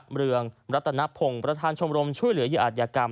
เมืองรัตนพงศ์ประธานชมรมช่วยเหลือเหยื่ออาจยากรรม